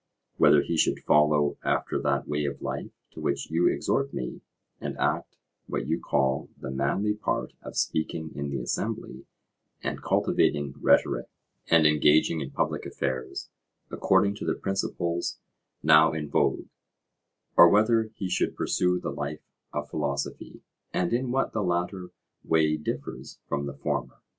—whether he should follow after that way of life to which you exhort me, and act what you call the manly part of speaking in the assembly, and cultivating rhetoric, and engaging in public affairs, according to the principles now in vogue; or whether he should pursue the life of philosophy;—and in what the latter way differs from the former.